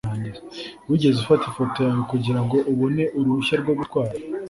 wigeze ufata ifoto yawe kugirango ubone uruhushya rwo gutwara